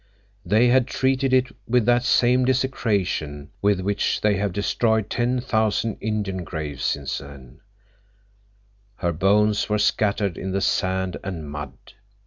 They had treated it with that same desecration with which they have destroyed ten thousand Indian graves since then. Her bones were scattered in the sand and mud.